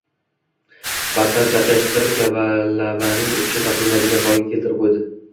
battar chalkashtirib, kalavaning uchi topilmaydigan holga keltirib qo‘ydi.